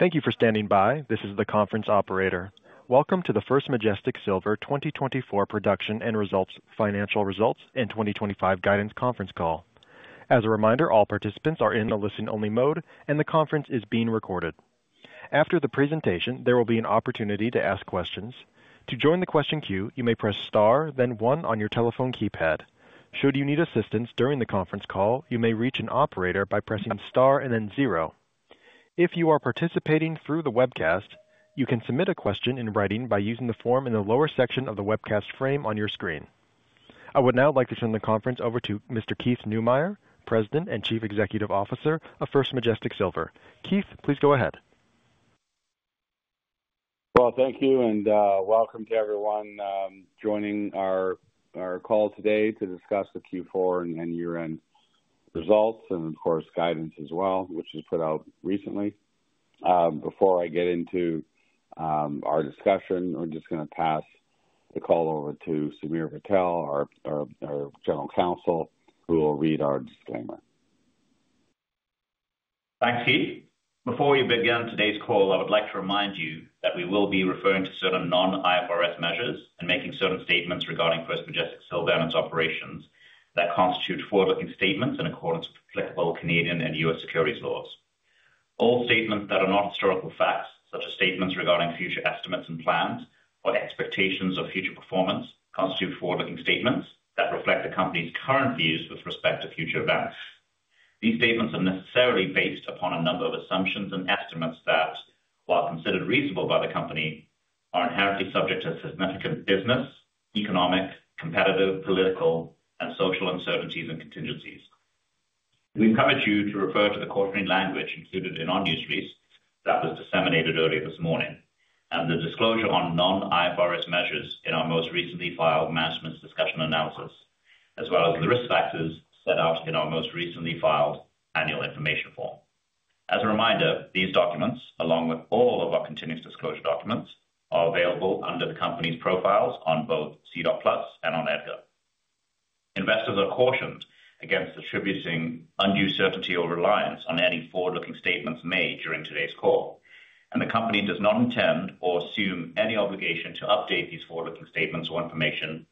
Thank you for standing by. This is the conference operator. Welcome to the First Majestic Silver 2024 Production and Results Financial Results and 2025 Guidance Conference call. As a reminder, all participants are in a listen-only mode, and the conference is being recorded. After the presentation, there will be an opportunity to ask questions. To join the question queue, you may press star, then one on your telephone keypad. Should you need assistance during the conference call, you may reach an operator by pressing star and then zero. If you are participating through the webcast, you can submit a question in writing by using the form in the lower section of the webcast frame on your screen. I would now like to turn the conference over to Mr. Keith Neumeyer, President and Chief Executive Officer of First Majestic Silver. Keith, please go ahead. Thank you, and welcome to everyone joining our call today to discuss the Q4 and year-end results, and of course, guidance as well, which was put out recently. Before I get into our discussion, we're just going to pass the call over to Samir Patel, our General Counsel, who will read our disclaimer. Thanks, Keith. Before we begin today's call, I would like to remind you that we will be referring to certain non-IFRS measures and making certain statements regarding First Majestic Silver and its operations that constitute forward-looking statements in accordance with applicable Canadian and U.S. securities laws. All statements that are not historical facts, such as statements regarding future estimates and plans or expectations of future performance, constitute forward-looking statements that reflect the company's current views with respect to future events. These statements are necessarily based upon a number of assumptions and estimates that, while considered reasonable by the company, are inherently subject to significant business, economic, competitive, political, and social uncertainties and contingencies. We encourage you to refer to the quarterly language included in our news release that was disseminated earlier this morning, and the disclosure on non-IFRS measures in our most recently filed management's discussion and analysis, as well as the risk factors set out in our most recently filed annual information form. As a reminder, these documents, along with all of our continuous disclosure documents, are available under the company's profiles on both SEDAR+ and on EDGAR. Investors are cautioned against attributing undue certainty or reliance on any forward-looking statements made during today's call, and the company does not intend or assume any obligation to update these forward-looking statements or information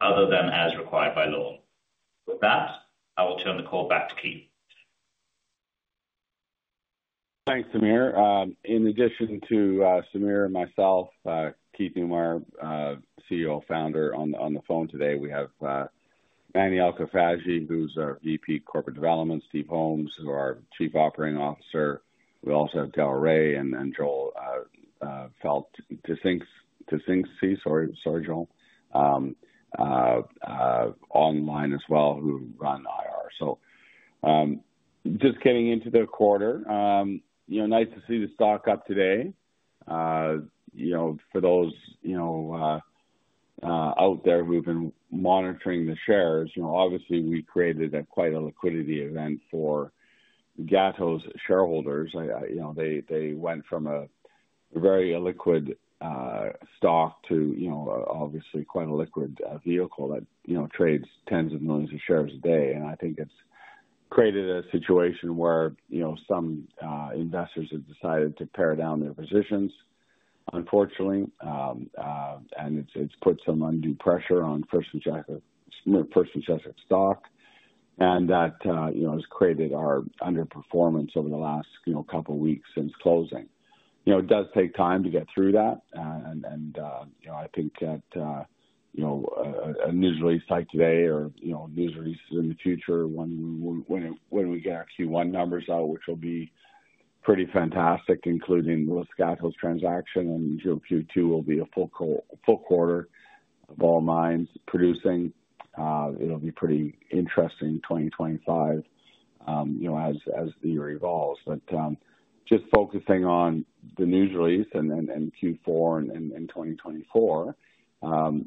other than as required by law. With that, I will turn the call back to Keith. Thanks, Samir. In addition to Samir and myself, Keith Neumeyer, CEO and Founder, is on the phone today. We have Mani Alkhafaji, who's our VP of Corporate Development, and Steve Holmes, who is our Chief Operating Officer. We also have Darrell Rae and Joel Theisinger, sorry, Joel, online as well, who run IR. So just getting into the quarter, nice to see the stock up today. For those out there who've been monitoring the shares, obviously, we created quite a liquidity event for Gatos's shareholders. They went from a very illiquid stock to obviously quite a liquid vehicle that trades tens of millions of shares a day, and I think it's created a situation where some investors have decided to pare down their positions, unfortunately, and it's put some undue pressure on First Majestic Silver's stock, and that has created our underperformance over the last couple of weeks since closing. It does take time to get through that, and I think that a news release like today or news releases in the future, when we get our Q1 numbers out, which will be pretty fantastic, including with Gatos's transaction and Q2 will be a full quarter of all mines producing, it'll be a pretty interesting 2025 as the year evolves. But just focusing on the news release and Q4 and 2024,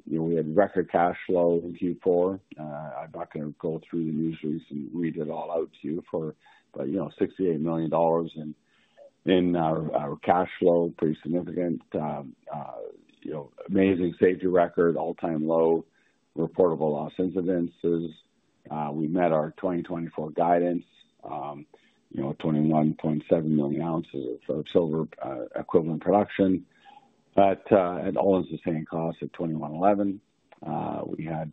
we had record cash flow in Q4. I'm not going to go through the news release and read it all out to you, but $68 million in our cash flow, pretty significant, amazing safety record, all-time low reportable loss incidences. We met our 2024 guidance, 21.7 million ounces of silver equivalent production, and all at the same cost at $21.11. We had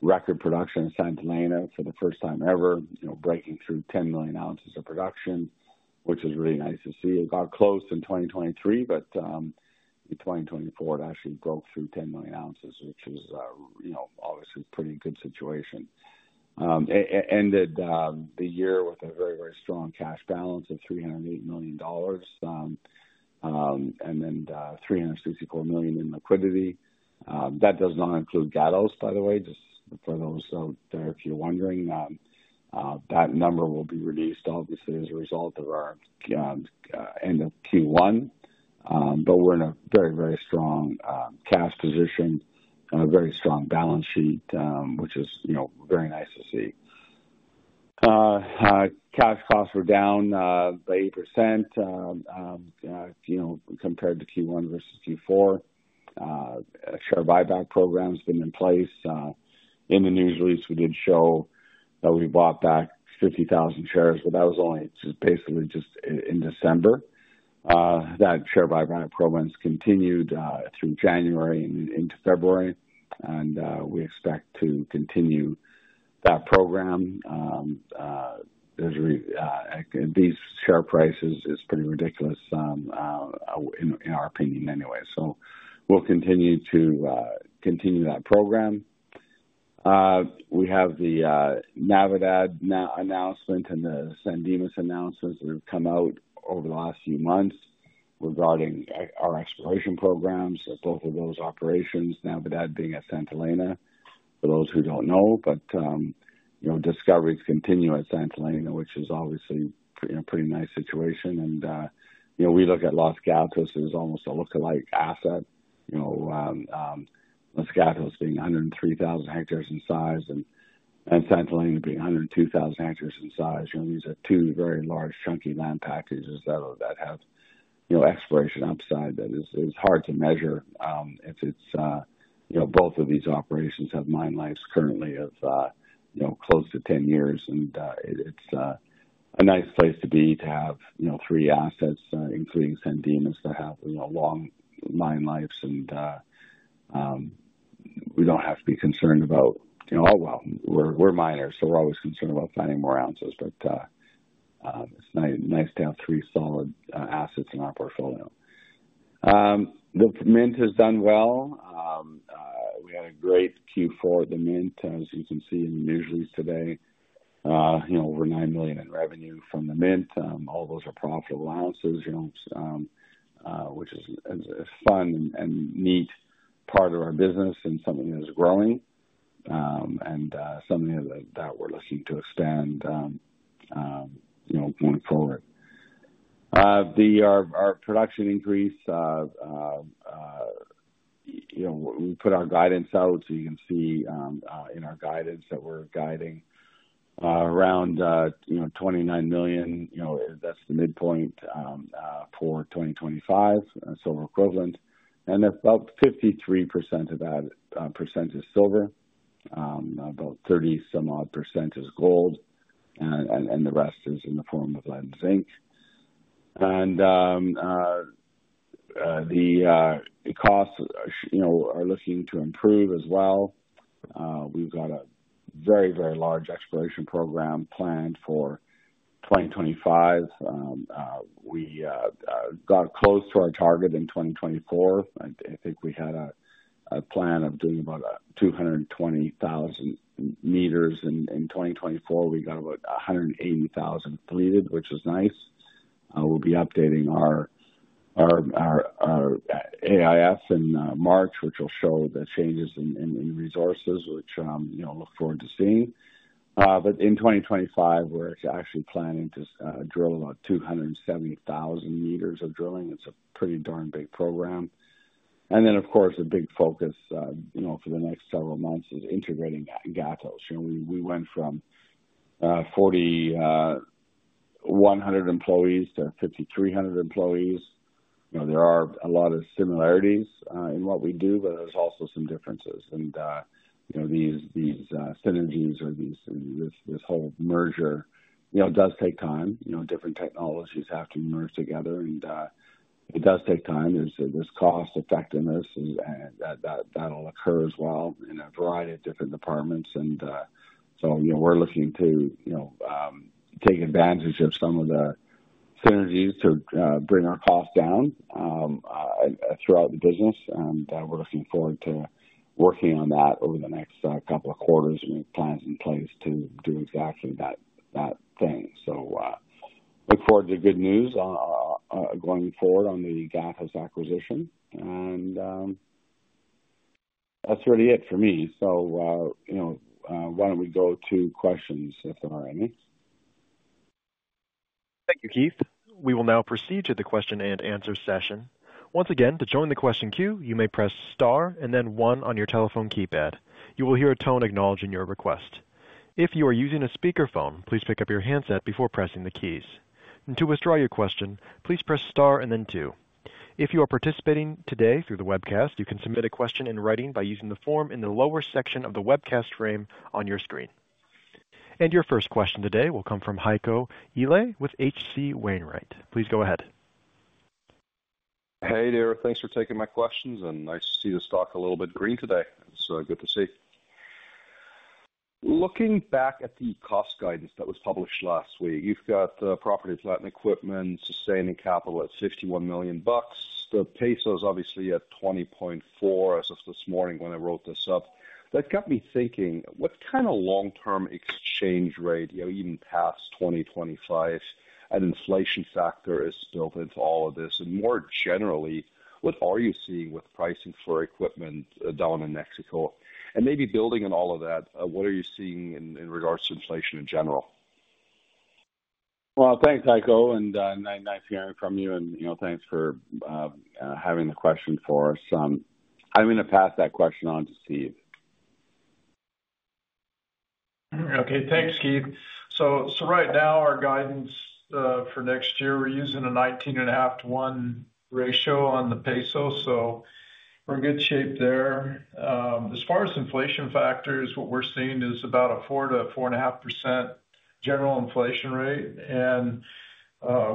record production at Santa Elena for the first time ever, breaking through 10 million ounces of production, which is really nice to see. It got close in 2023, but in 2024, it actually broke through 10 million ounces, which is obviously a pretty good situation. Ended the year with a very, very strong cash balance of $308 million and then $364 million in liquidity. That does not include Gatos, by the way, just for those out there if you're wondering. That number will be released, obviously, as a result of our end of Q1, but we're in a very, very strong cash position, a very strong balance sheet, which is very nice to see. Cash costs were down by 8% compared to Q1 versus Q4. Share buyback program has been in place. In the news release, we did show that we bought back 50,000 shares, but that was only basically just in December. That share buyback program has continued through January and into February, and we expect to continue that program. These share prices are pretty ridiculous, in our opinion anyway, so we'll continue to continue that program. We have the Navidad announcement and the San Dimas announcements that have come out over the last few months regarding our exploration programs, both of those operations, Navidad being at Santa Elena, for those who don't know, but discoveries continue at Santa Elena, which is obviously a pretty nice situation, and we look at Los Gatos as almost a lookalike asset, Los Gatos being 103,000 hectares in size and Santa Elena being 102,000 hectares in size. These are two very large, chunky land packages that have exploration upside that is hard to measure. Both of these operations have mine lives currently of close to 10 years, and it's a nice place to be to have three assets, including San Dimas, that have long mine lives. And we don't have to be concerned about, "Oh, well, we're miners, so we're always concerned about finding more ounces." But it's nice to have three solid assets in our portfolio. The Mint has done well. We had a great Q4 at the Mint, as you can see in the news release today, over nine million in revenue from the Mint. All those are profitable ounces, which is a fun and neat part of our business and something that is growing and something that we're looking to expand going forward. Our production increase, we put our guidance out, so you can see in our guidance that we're guiding around 29 million. That's the midpoint for 2025, silver equivalent. About 53% of that percent is silver, about 30-some-odd percent is gold, and the rest is in the form of lead and zinc. The costs are looking to improve as well. We've got a very, very large exploration program planned for 2025. We got close to our target in 2024. I think we had a plan of doing about 220,000 meters. In 2024, we got about 180,000 completed, which is nice. We'll be updating our AIF in March, which will show the changes in resources, which I look forward to seeing. In 2025, we're actually planning to drill about 270,000 meters of drilling. It's a pretty darn big program. The big focus for the next several months is integrating Gatos. We went from 4,100 employees to 5,300 employees. There are a lot of similarities in what we do, but there's also some differences. And these synergies or this whole merger does take time. Different technologies have to merge together, and it does take time. There's cost, effectiveness, and that'll occur as well in a variety of different departments. And so we're looking to take advantage of some of the synergies to bring our cost down throughout the business. And we're looking forward to working on that over the next couple of quarters, make plans in place to do exactly that thing. So look forward to good news going forward on the Gatos acquisition. And that's really it for me. So why don't we go to questions if there are any? Thank you, Keith. We will now proceed to the question and answer session. Once again, to join the question queue, you may press star and then one on your telephone keypad. You will hear a tone acknowledging your request. If you are using a speakerphone, please pick up your handset before pressing the keys. And to withdraw your question, please press star and then two. If you are participating today through the webcast, you can submit a question in writing by using the form in the lower section of the webcast frame on your screen. And your first question today will come from Heiko Ihle with H.C. Wainwright. Please go ahead. Hey there. Thanks for taking my questions, and nice to see the stock a little bit green today. It's good to see. Looking back at the cost guidance that was published last week, you've got property, plant and equipment, sustaining capital at $51 million. The peso is obviously at 20.4% as of this morning when I wrote this up. That got me thinking, what kind of long-term exchange rate, even past 2025, and inflation factor is built into all of this? And more generally, what are you seeing with pricing for equipment down in Mexico? And maybe building on all of that, what are you seeing in regards to inflation in general? Thanks, Heiko. Nice hearing from you. Thanks for having the question for us. I'm going to pass that question on to Steve. Okay. Thanks, Keith. So right now, our guidance for next year, we're using a 19.5 to 1 ratio on the peso. So we're in good shape there. As far as inflation factors, what we're seeing is about a 4%-4.5% general inflation rate. And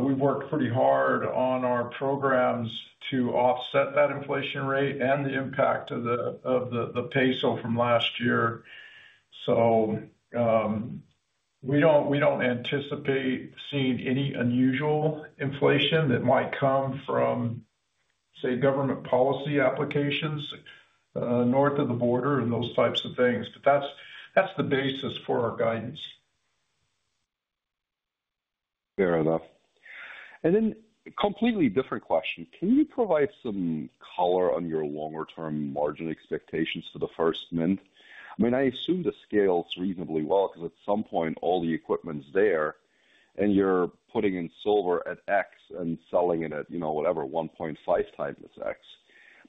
we've worked pretty hard on our programs to offset that inflation rate and the impact of the peso from last year. So we don't anticipate seeing any unusual inflation that might come from, say, government policy applications north of the border and those types of things. But that's the basis for our guidance. Fair enough. And then completely different question. Can you provide some color on your longer-term margin expectations for the First Mint? I mean, I assume the scale's reasonably well because at some point, all the equipment's there, and you're putting in silver at X and selling it at whatever, 1.5 times X.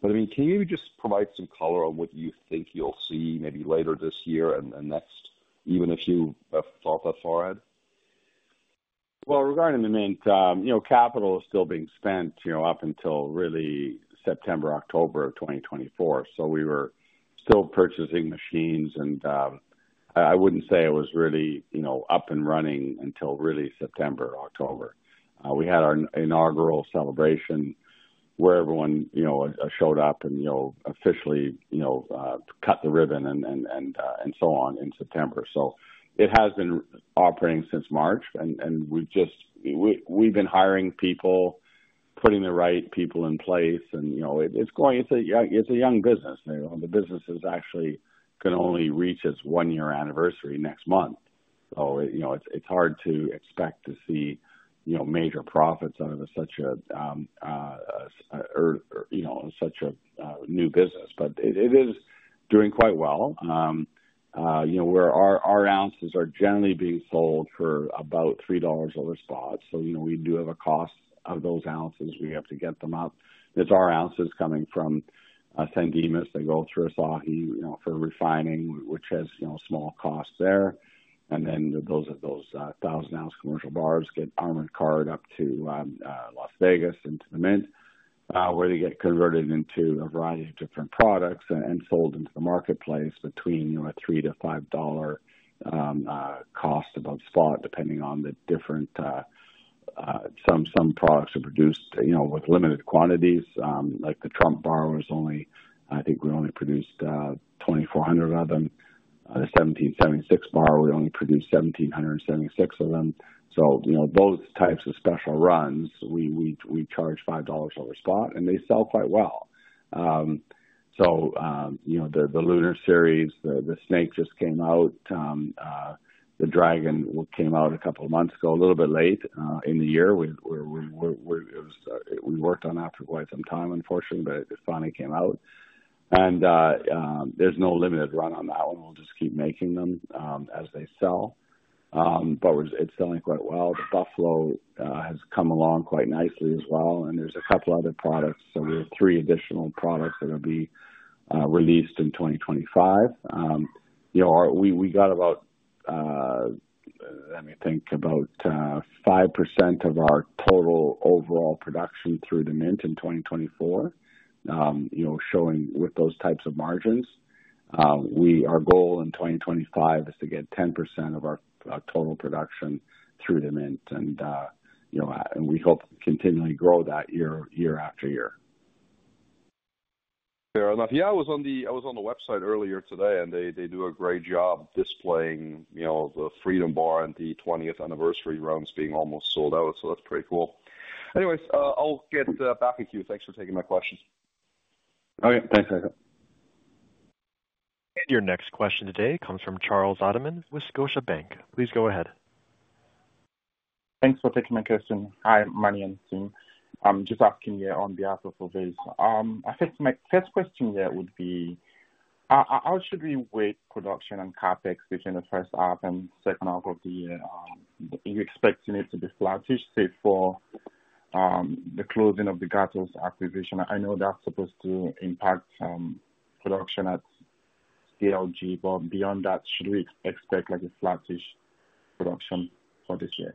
But I mean, can you just provide some color on what you think you'll see maybe later this year and next, even if you have thought that far ahead? Regarding the Mint, capital is still being spent up until really September, October of 2024. So we were still purchasing machines, and I wouldn't say it was really up and running until really September, October. We had our inaugural celebration where everyone showed up and officially cut the ribbon and so on in September. So it has been operating since March, and we've been hiring people, putting the right people in place. And it's a young business. The business is actually going to only reach its one-year anniversary next month. So it's hard to expect to see major profits out of such a new business. But it is doing quite well. Our ounces are generally being sold for about $3 over spot. So we do have a cost of those ounces. We have to get them up. It's our ounces coming from San Dimas that go through Asahi for refining, which has small costs there, and then those 1,000-ounce commercial bars get armored car'd up to Las Vegas into the Mint, where they get converted into a variety of different products and sold into the marketplace between a $3-$5 cost above spot, depending on the product. Some products are produced with limited quantities. Like the Trump Bar was only I think we only produced 2,400 of them. The 1776 Bar, we only produced 1,776 of them. So those types of special runs, we charge $5 over spot, and they sell quite well. So the Lunar Series, the Snake just came out. The Dragon came out a couple of months ago, a little bit late in the year. We worked on that for quite some time, unfortunately, but it finally came out. There's no limited run on that one. We'll just keep making them as they sell. It's selling quite well. The Buffalo has come along quite nicely as well. There's a couple of other products. We have three additional products that will be released in 2025. We got about, let me think, about 5% of our total overall production through the Mint in 2024, showing with those types of margins. Our goal in 2025 is to get 10% of our total production through the Mint, and we hope to continually grow that year after year. Fair enough. Yeah, I was on the website earlier today, and they do a great job displaying the Freedom Bar and the 20th Anniversary Rounds being almost sold out. So that's pretty cool. Anyways, I'll get back with you. Thanks for taking my questions. Okay. Thanks, Heiko. Your next question today comes from Charles Ottoman with Scotiabank. Please go ahead. Thanks for taking my question. Hi, Mani and team. I'm just asking you on behalf of all these. I think my first question here would be, how should we weigh production and CapEx between the first half and second half of the year? Are you expecting it to be flattish, say, for the closing of the Gatos acquisition? I know that's supposed to impact production at Gatos, but beyond that, should we expect a flattish production for this year?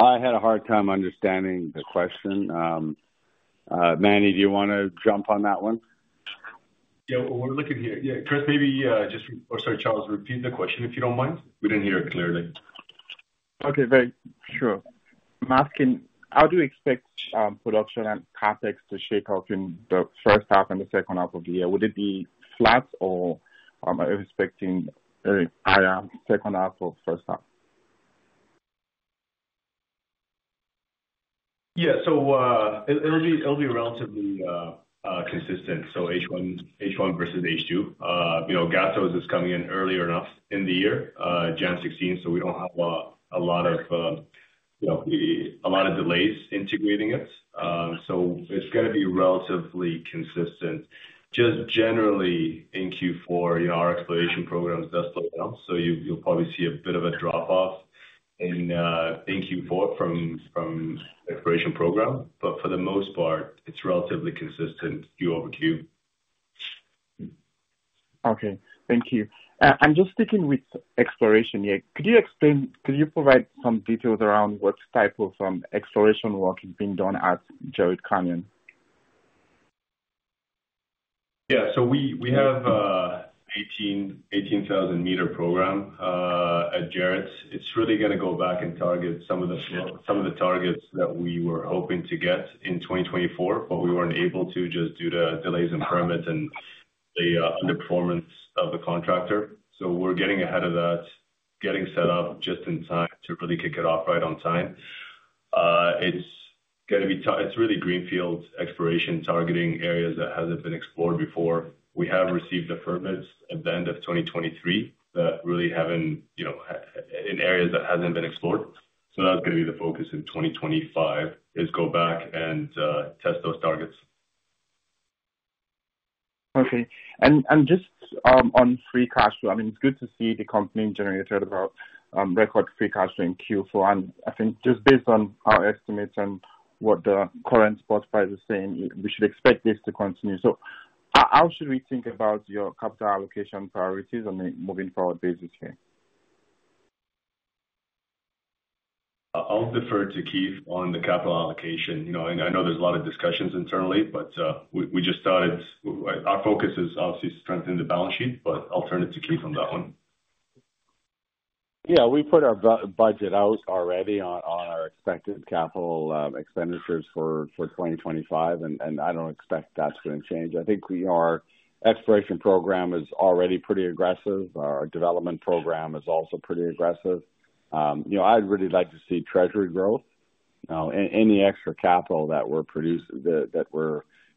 I had a hard time understanding the question. Mani, do you want to jump on that one? Yeah. We're looking here. Yeah. Chris, maybe just, oh, sorry, Charles, repeat the question if you don't mind. We didn't hear it clearly. Okay. Very sure. I'm asking, how do you expect production and CapEx to shake up in the first half and the second half of the year? Would it be flat, or are you expecting a higher second half or first half? Yeah. So it'll be relatively consistent. So H1 versus H2. Gatos is coming in early enough in the year, January 16, so we don't have a lot of delays integrating it. So it's going to be relatively consistent. Just generally, in Q4, our exploration program does slow down. So you'll probably see a bit of a drop-off in Q4 from the exploration program. But for the most part, it's relatively consistent, quarter-over-quarter. Okay. Thank you. And just sticking with exploration here, could you provide some details around what type of exploration work is being done at Jerritt Canyon? Yeah. So we have an 18,000-meter program at Jerritt. It's really going to go back and target some of the targets that we were hoping to get in 2024, but we weren't able to just due to delays in permits and the underperformance of the contractor. So we're getting ahead of that, getting set up just in time to really kick it off right on time. It's going to be. It's really greenfield exploration, targeting areas that haven't been explored before. We have received the permits at the end of 2023 that really haven't in areas that haven't been explored. So that's going to be the focus in 2025, is go back and test those targets. Okay. And just on free cash flow, I mean, it's good to see the company generated a record free cash flow in Q4. And I think just based on our estimates and what the current spot price is saying, we should expect this to continue. So how should we think about your capital allocation priorities on a moving forward basis here? I'll defer to Keith on the capital allocation. I know there's a lot of discussions internally, but we just started, our focus is obviously strengthening the balance sheet, but I'll turn it to Keith on that one. Yeah. We put our budget out already on our expected capital expenditures for 2025, and I don't expect that's going to change. I think our exploration program is already pretty aggressive. Our development program is also pretty aggressive. I'd really like to see treasury growth. Any extra capital that we're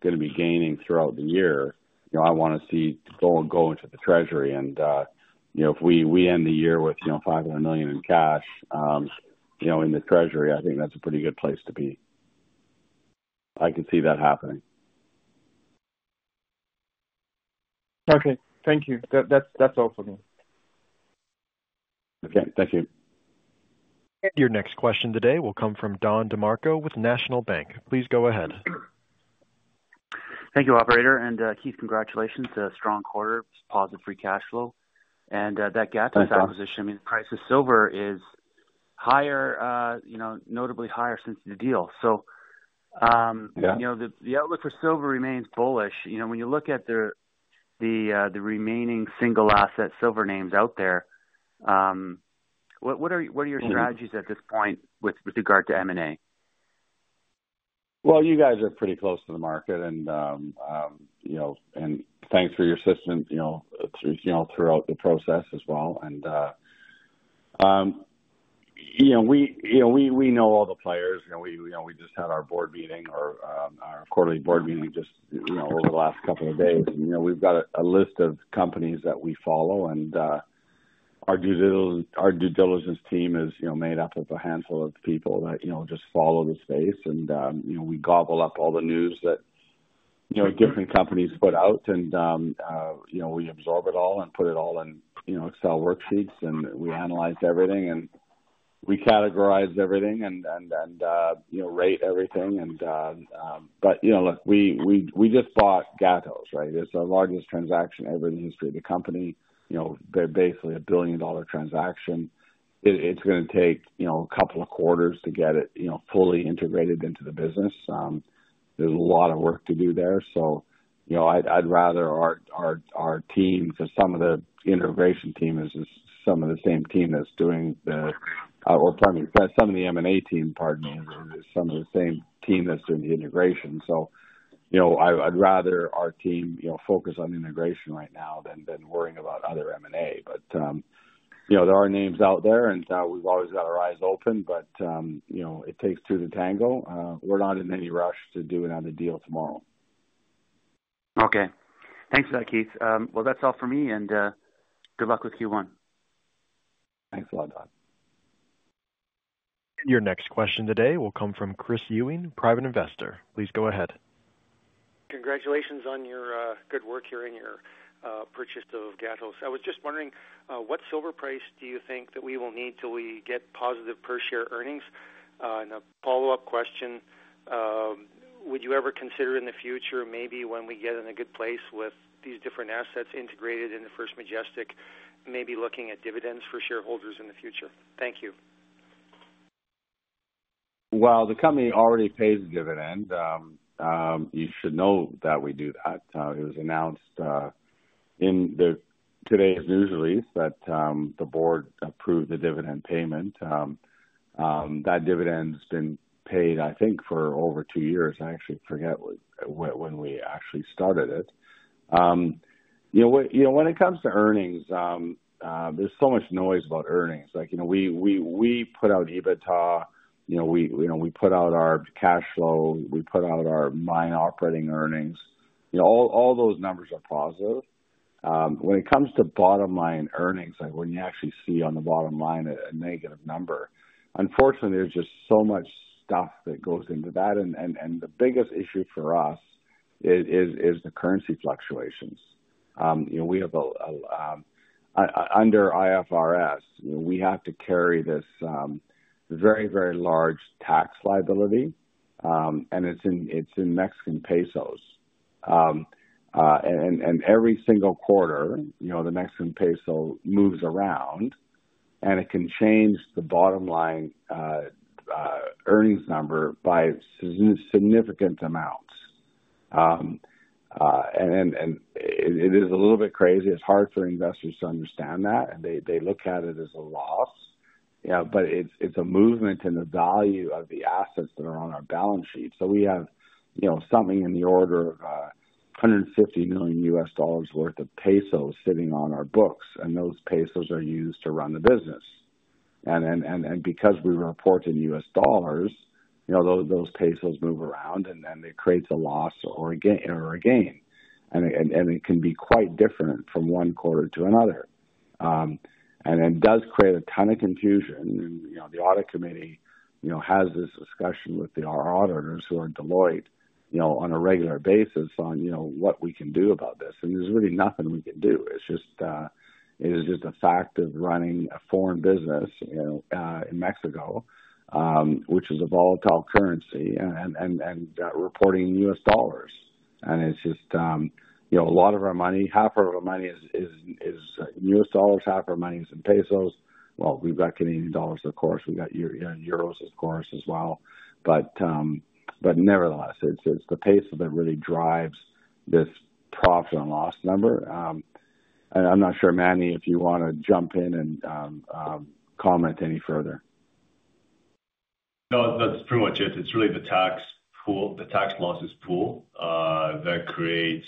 going to be gaining throughout the year, I want to see go into the treasury. And if we end the year with $500 million in cash in the treasury, I think that's a pretty good place to be. I can see that happening. Okay. Thank you. That's all for me. Okay. Thank you. Your next question today will come from Don DeMarco with National Bank. Please go ahead. Thank you, Operator. And Keith, congratulations to a strong quarter, positive free cash flow. And that Gatos's acquisition, I mean, the price of silver is higher, notably higher since the deal. So the outlook for silver remains bullish. When you look at the remaining single asset silver names out there, what are your strategies at this point with regard to M&A? You guys are pretty close to the market, and thanks for your assistance throughout the process as well. We know all the players. We just had our board meeting, our quarterly board meeting just over the last couple of days. We've got a list of companies that we follow. Our due diligence team is made up of a handful of people that just follow the space. We gobble up all the news that different companies put out, and we absorb it all and put it all in Excel worksheets. We analyze everything, and we categorize everything and rate everything. Look, we just bought Gatos, right? It's the largest transaction ever in the history of the company. They're basically a $1 billion transaction. It's going to take a couple of quarters to get it fully integrated into the business. There's a lot of work to do there. So I'd rather our team, because some of the integration team is some of the same team that's doing the—or pardon me, some of the M&A team, pardon me, is some of the same team that's doing the integration. So I'd rather our team focus on integration right now than worrying about other M&A. But there are names out there, and we've always got our eyes open, but it takes two to tangle. We're not in any rush to do another deal tomorrow. Okay. Thanks for that, Keith. Well, that's all for me, and good luck with Q1. Thanks a lot, Don. Your next question today will come from Chris Ewing, private investor. Please go ahead. Congratulations on your good work here in your purchase of Gatos. I was just wondering, what silver price do you think that we will need till we get positive per-share earnings? And a follow-up question, would you ever consider in the future, maybe when we get in a good place with these different assets integrated in the First Majestic, maybe looking at dividends for shareholders in the future? Thank you. The company already pays dividends. You should know that we do that. It was announced in today's news release that the board approved the dividend payment. That dividend's been paid, I think, for over two years. I actually forget when we actually started it. When it comes to earnings, there's so much noise about earnings. We put out EBITDA. We put out our cash flow. We put out our mine operating earnings. All those numbers are positive. When it comes to bottom-line earnings, when you actually see on the bottom line a negative number, unfortunately, there's just so much stuff that goes into that, and the biggest issue for us is the currency fluctuations. We have, under IFRS, we have to carry this very, very large tax liability, and it's in Mexican pesos. Every single quarter, the Mexican peso moves around, and it can change the bottom-line earnings number by significant amounts. It is a little bit crazy. It's hard for investors to understand that. They look at it as a loss, but it's a movement in the value of the assets that are on our balance sheet. We have something in the order of $150 million worth of pesos sitting on our books, and those pesos are used to run the business. Because we report in U.S. dollars, those pesos move around, and then it creates a loss or a gain. It can be quite different from one quarter to another. It does create a ton of confusion. The audit committee has this discussion with our auditors who are Deloitte on a regular basis on what we can do about this. There's really nothing we can do. It's just a fact of running a foreign business in Mexico, which is a volatile currency, and reporting in U.S. dollars. It's just a lot of our money. Half of our money is in U.S. dollars. Half of our money is in pesos. We've got Canadian dollars, of course. We've got euros, of course, as well. But nevertheless, it's the peso that really drives this profit and loss number. I'm not sure, Mani, if you want to jump in and comment any further. No, that's pretty much it. It's really the tax losses pool that creates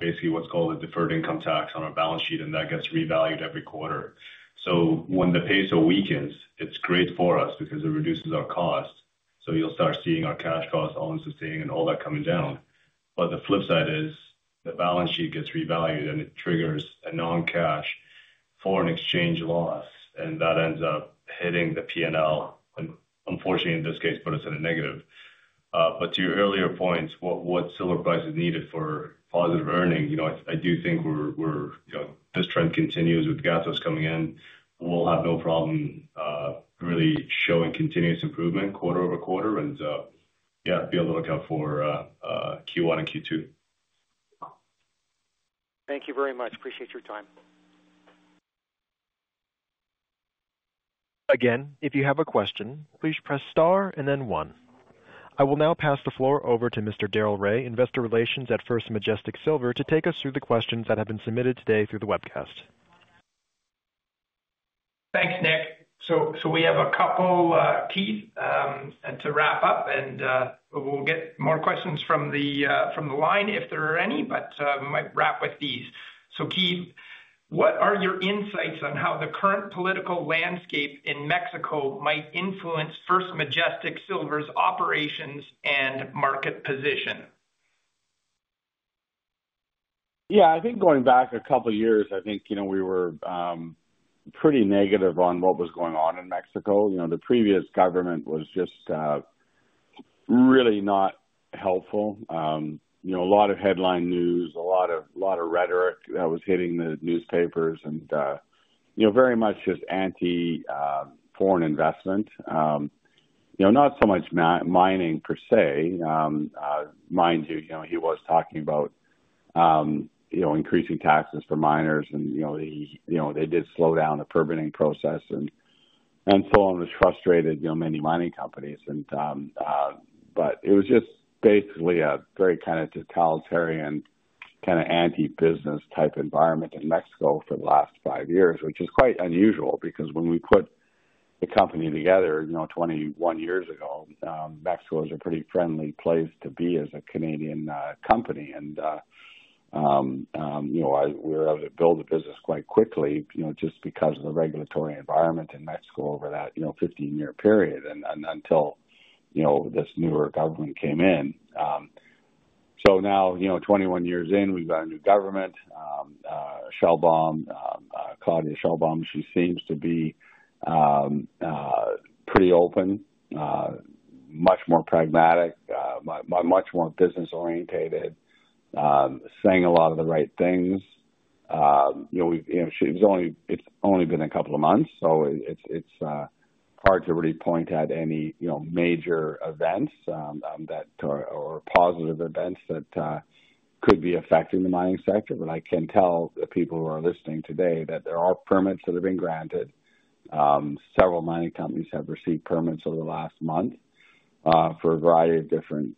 basically what's called a deferred income tax on our balance sheet, and that gets revalued every quarter. So when the peso weakens, it's great for us because it reduces our cost. So you'll start seeing our cash cost, all-in sustaining, and all that coming down. But the flip side is the balance sheet gets revalued, and it triggers a non-cash foreign exchange loss, and that ends up hitting the P&L, unfortunately in this case, but it's at a negative. But to your earlier points, what silver price is needed for positive earnings, I do think this trend continues with Gatos coming in. We'll have no problem really showing continuous improvement quarter over quarter. And yeah, be able to look out for Q1 and Q2. Thank you very much. Appreciate your time. Again, if you have a question, please press star and then one. I will now pass the floor over to Mr. Darrell Rae, Investor Relations at First Majestic Silver, to take us through the questions that have been submitted today through the webcast. Thanks, Nick. So we have a couple, Keith, to wrap up, and we'll get more questions from the line if there are any, but we might wrap with these. So Keith, what are your insights on how the current political landscape in Mexico might influence First Majestic Silver's operations and market position? Yeah. I think going back a couple of years, I think we were pretty negative on what was going on in Mexico. The previous government was just really not helpful. A lot of headline news, a lot of rhetoric that was hitting the newspapers, and very much just anti-foreign investment. Not so much mining per se. Mind you, he was talking about increasing taxes for miners, and they did slow down the permitting process, and so on, frustrating many mining companies, but it was just basically a very kind of totalitarian kind of anti-business type environment in Mexico for the last five years, which is quite unusual because when we put the company together 21 years ago, Mexico was a pretty friendly place to be as a Canadian company. And we were able to build a business quite quickly just because of the regulatory environment in Mexico over that 15-year period and until this newer government came in. So now, 21 years in, we've got a new government. Claudia Sheinbaum, she seems to be pretty open, much more pragmatic, much more business-oriented, saying a lot of the right things. It's only been a couple of months, so it's hard to really point at any major events or positive events that could be affecting the mining sector. But I can tell the people who are listening today that there are permits that have been granted. Several mining companies have received permits over the last month for a variety of different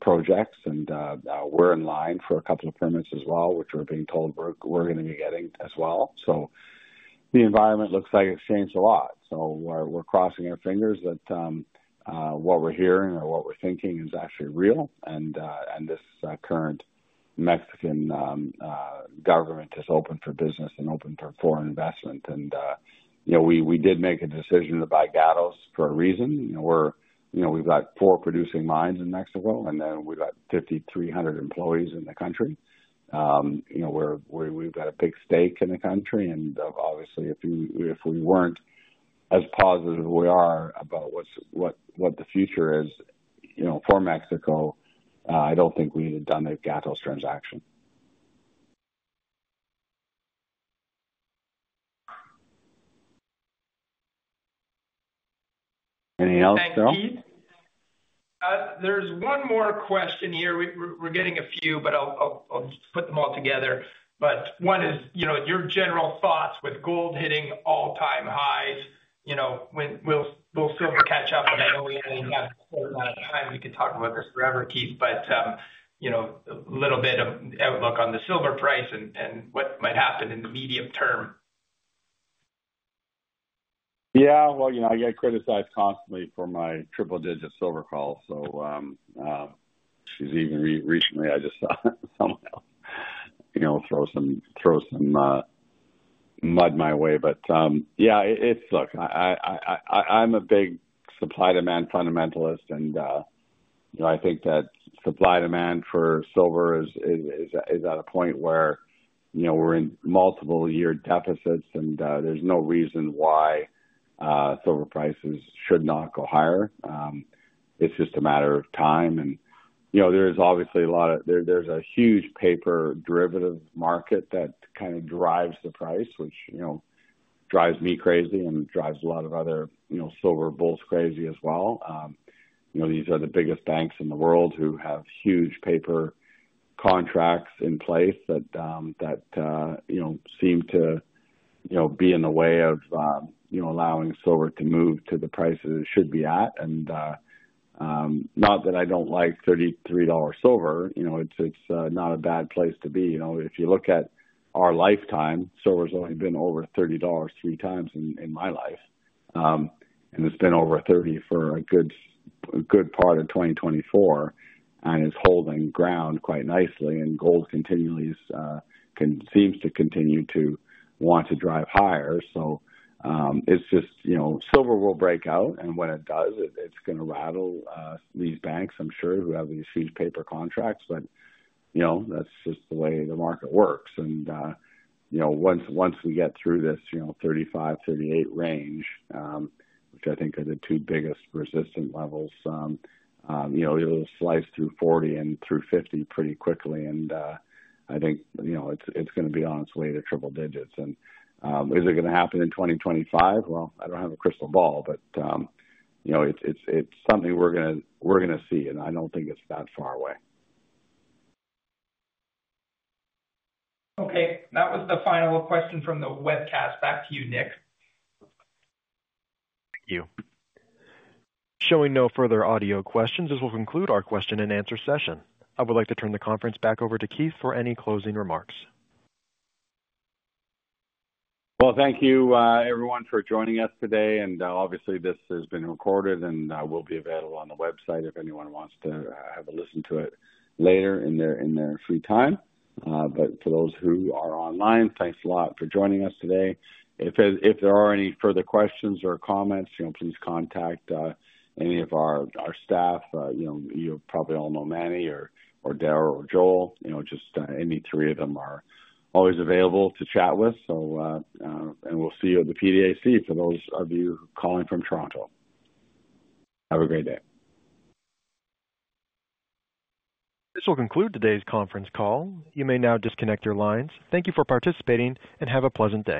projects, and we're in line for a couple of permits as well, which we're being told we're going to be getting as well. So the environment looks like it's changed a lot. So we're crossing our fingers that what we're hearing or what we're thinking is actually real. And this current Mexican government is open for business and open for foreign investment. And we did make a decision to buy Gatos for a reason. We've got four producing mines in Mexico, and then we've got 5,300 employees in the country. We've got a big stake in the country. And obviously, if we weren't as positive as we are about what the future is for Mexico, I don't think we'd have done a Gatos transaction. Anything else though? Thanks, Keith. There's one more question here. We're getting a few, but I'll just put them all together. But one is your general thoughts with gold hitting all-time highs. Will silver catch up? And I know we only have a quarter-hour time. We could talk about this forever, Keith, but a little bit of outlook on the silver price and what might happen in the medium term. Yeah. Well, I get criticized constantly for my triple-digit silver call. So even recently, I just saw someone else throw some mud my way. But yeah, look, I'm a big supply-demand fundamentalist, and I think that supply-demand for silver is at a point where we're in multiple-year deficits, and there's no reason why silver prices should not go higher. It's just a matter of time. And there is obviously a lot of. There's a huge paper derivative market that kind of drives the price, which drives me crazy and drives a lot of other silver bulls crazy as well. These are the biggest banks in the world who have huge paper contracts in place that seem to be in the way of allowing silver to move to the prices it should be at. And not that I don't like $33 silver. It's not a bad place to be. If you look at our lifetime, silver's only been over $30 three times in my life, and it's been over 30 for a good part of 2024 and is holding ground quite nicely. And gold continually seems to continue to want to drive higher. So it's just silver will break out, and when it does, it's going to rattle these banks, I'm sure, who have these huge paper contracts. But that's just the way the market works. And once we get through this $35-$38 range, which I think are the two biggest resistance levels, it'll slice through $40 and through $50 pretty quickly. And I think it's going to be on its way to triple digits. And is it going to happen in 2025? Well, I don't have a crystal ball, but it's something we're going to see, and I don't think it's that far away. Okay. That was the final question from the webcast. Back to you, Nick. Thank you. Showing no further audio questions, as we'll conclude our question-and-answer session. I would like to turn the conference back over to Keith for any closing remarks. Thank you, everyone, for joining us today. Obviously, this has been recorded and will be available on the website if anyone wants to have a listen to it later in their free time. For those who are online, thanks a lot for joining us today. If there are any further questions or comments, please contact any of our staff. You probably all know Mani or Darrell or Joel. Just any three of them are always available to chat with. We'll see you at the PDAC for those of you calling from Toronto. Have a great day. This will conclude today's conference call. You may now disconnect your lines. Thank you for participating and have a pleasant day.